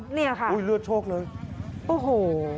นี่ค่ะค่ะโอ้ยเลือดโชคเลยโอ้โห